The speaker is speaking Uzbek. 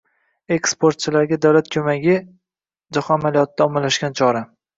Eksportchilarga davlat ko‘magi — jahon amaliyotida ommalashgan chora.